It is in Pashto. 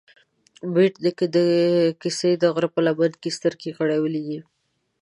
بېټ نيکه د کسې د غره په لمن کې سترګې غړولې دي